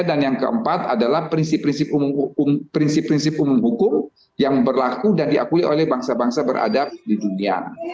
dan yang keempat adalah prinsip prinsip umum hukum yang berlaku dan diakui oleh bangsa bangsa beradab di dunia